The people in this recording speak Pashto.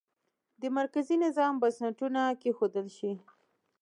د مرکزي نظام بنسټونه کېښودل شي.